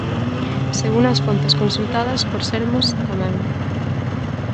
Segundo as fontes consultadas por Sermos, tamén.